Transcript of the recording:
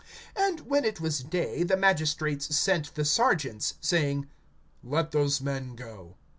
(35)And when it was day, the magistrates sent the sergeants, saying: Let those men go.